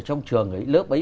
trong trường ấy lớp ấy